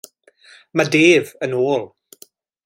Mae Dave yn ôl!